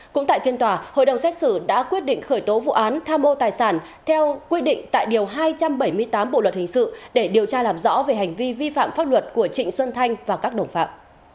cũng tại phiên tòa hội đồng xét xử đã quyết định khởi tố vụ án tham ô tài sản theo quy định tại điều hai trăm bảy mươi tám bộ luật hình sự để điều tra làm rõ về hành vi vi phạm pháp luật của trịnh xuân thanh và các đồng phạm